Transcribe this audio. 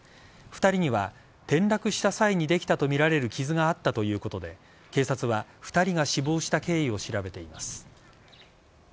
２人には転落した際にできたとみられる傷があったということで警察は２人が死亡した経緯を調べています。